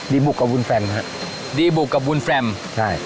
ดีบุกกับวุลแฟรมครับดีบุกกับวุลแฟรมใช่